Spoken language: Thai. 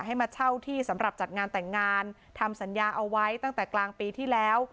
ให้มาเช่าที่สำหรับจัดงานแต่งงานทำสัญญาเอาไว้ตั้งแต่กลางปีที่แล้ว